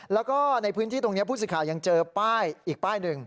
แล้วก็ในพื้นที่ตรงนี้ผู้สื่อข่าวยังเจอป้ายอีกป้ายหนึ่ง